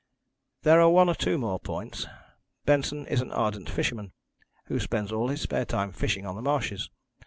"There are one or two more points. Benson is an ardent fisherman, who spends all his spare time fishing on the marshes.